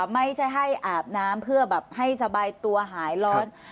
ไม่ใช่ให้อาบน้ำเพื่อแบบให้สบายตัวหายร้อน